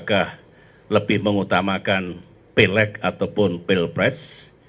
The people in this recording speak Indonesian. apakah lebih mengutamakan pelek ataupun pelepres